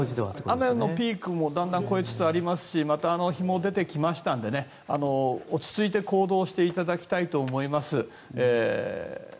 雨のピークもだんだん越えつつありますし日も出てきましたので落ち着いて行動していただきたいと思います。